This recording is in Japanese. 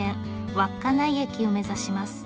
稚内駅を目指します。